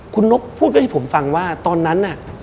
คุณนกพูดก็ให้ผมฟังว่าตอนนั้นน่ะ